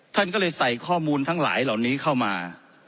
ท่านก็เลยใส่ข้อมูลทั้งหลายเหล่านี้เข้ามา